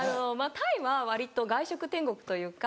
タイは割と外食天国というか。